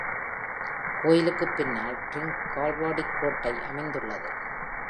கோயிலுக்குப் பின்னால் டிரிங்கல்வாடிக் கோட்டை அமைந்துள்ளது.